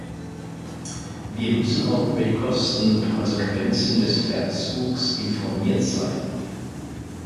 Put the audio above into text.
Wir müssen auch über die Kosten und Konsequenzen des Verzugs informiert sein.